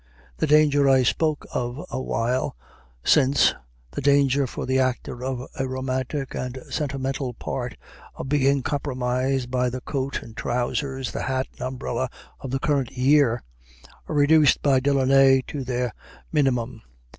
The danger I spoke of a while since the danger, for the actor of a romantic and sentimental part, of being compromised by the coat and trousers, the hat and umbrella of the current year are reduced by Delaunay to their minimum.